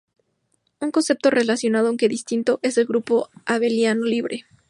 Un concepto relacionado, aunque distinto, es el de grupo abeliano libre.